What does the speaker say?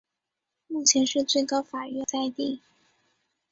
目前是最高法院所在地。